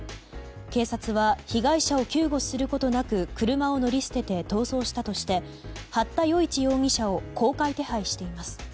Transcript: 警察は被害者を救護することなく車を乗り捨てて逃走したとして八田與一容疑者を公開手配しています。